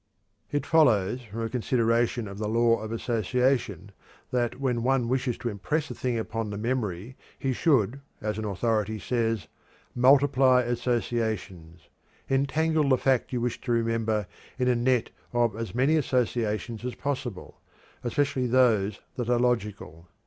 It follows from a consideration of the Law of Association that when one wishes to impress a thing upon the memory he should, as an authority says, "Multiply associations; entangle the fact you wish to remember in a net of as many associations as possible, especially those that are logical."